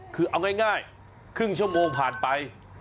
คือเอาง่ายครึ่งชั่วโมงผ่านไป